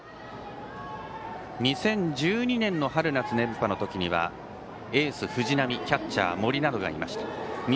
２０１２年の春夏連覇の時はエース藤浪キャッチャー森などがいました。